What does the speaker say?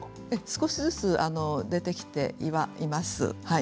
少しずつ出てきてはいます。